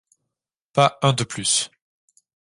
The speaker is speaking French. Pas un de plus.